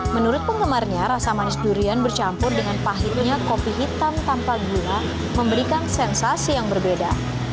menurut penggemarnya rasa manis durian bercampur dengan pahitnya kopi hitam tanpa gula memberikan sensasi yang berbeda